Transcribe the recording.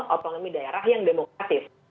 otonomi daerah yang demokratis